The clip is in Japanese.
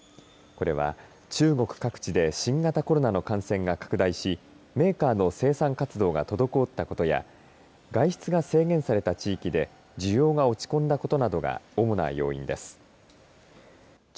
これは中国各地で新型コロナの感染が拡大しメーカーの生産活動が滞ったことや外出が制限された地域で需要が落ち込んだことなどが主な要因です。